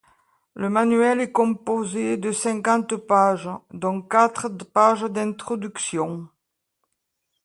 Le manuel est composé de cinquante pages, dont quatre pages d’introduction.